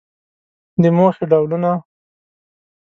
د موخې ډولونه